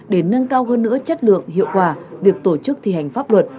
để nâng cao hơn nữa chất lượng hiệu quả việc tổ chức thi hành pháp luật